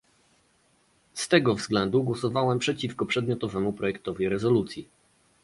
Z tego względu głosowałem przeciwko przedmiotowemu projektowi rezolucji